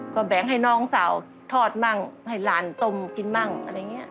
ก็แบ่งให้น้องสาวทอดมั่งให้หลานต้มกินมั่งอะไรอย่างนี้